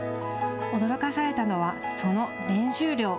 驚かされたのは、その練習量。